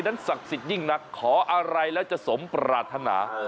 นั้นศักดิ์สิทธิ์ยิ่งหนักขออะไรแล้วจะสมประทนา